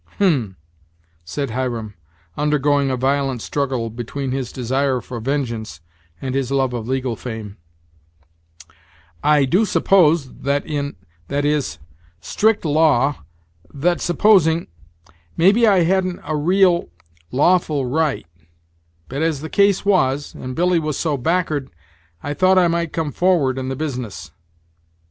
"Hem!" said Hiram, undergoing a violent struggle between his desire for vengeance, and his love of legal fame: "I do suppose that in that is strict law that supposing maybe I hadn't a real lawful right; but as the case was and Billy was so back'ard I thought I might come for'ard in the business."